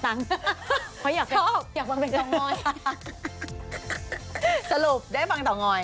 เต๋อง้อยแล้วคอยอ้าย